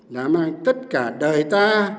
đã mang tất cả đời ta